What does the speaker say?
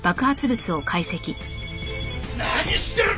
何してる！